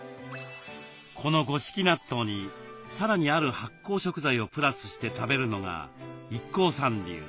この五色納豆にさらにある発酵食材をプラスして食べるのがＩＫＫＯさん流。